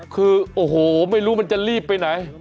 คือโอ้โหไม่รู้มันจะรีบไปไหน